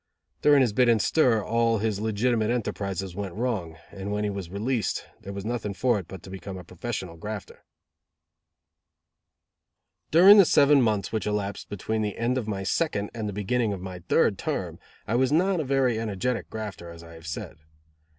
During his bit in stir all his legitimate enterprizes went wrong, and when he was released, there was nothing for it but to become a professional grafter. During the seven months which elapsed between the end of my second, and the beginning of my third term, I was not a very energetic grafter, as I have said.